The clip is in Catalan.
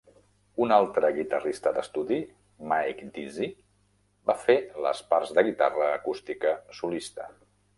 Un altre guitarrista d'estudi, Mike Deasy, va fer les parts de guitarra acústica solista.